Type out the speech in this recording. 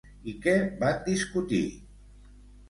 I què van discutir?